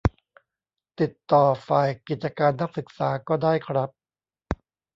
ติดต่อฝ่ายกิจการนักศึกษาก็ได้ครับ